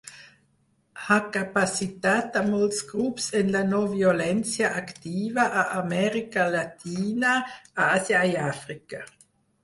Ha capacitat a molts grups en la no-violència activa a Amèrica Llatina, Àsia i Àfrica.